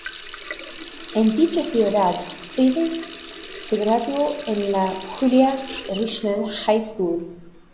En dicha ciudad, Fredi se graduó en la Julia Richman High School.